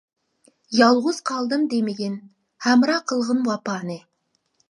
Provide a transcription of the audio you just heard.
يالغۇز قالدىم دېمىگىن، ھەمراھ قىلغىن ۋاپانى.